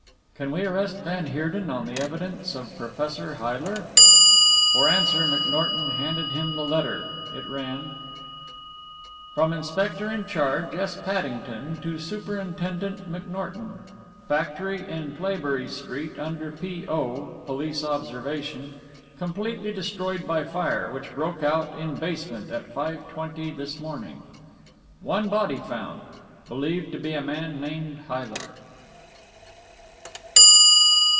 "Can we arrest van Heerden on the evidence of Professor Heyler?" For answer McNorton handed him the letter. It ran: "From Inspector in charge, S. Paddington, to Supt. McNorton. Factory in Playbury St. under P.O. (Police Observation) completely destroyed by fire, which broke out in basement at 5.20 this morning. One body found, believed to be a man named Heyler."